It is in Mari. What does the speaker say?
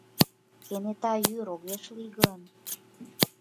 Кенета йӱр огеш лий гын?